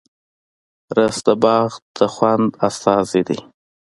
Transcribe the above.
رس د باغ د خوند استازی دی